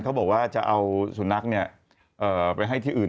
เขาบอกว่าจะเอาสุนัขไปให้ที่อื่น